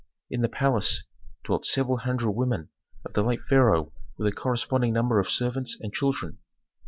In the palace dwelt several hundred women of the late pharaoh with a corresponding number of servants and children.